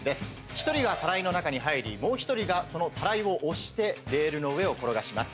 １人がタライの中に入りもう１人がそのタライを押してレールの上を転がします。